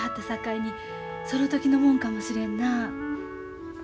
さかいにその時のもんかもしれんな。